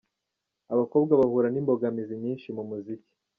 Abakobwa bahura n’imbogamizi nyinshi mu muziki….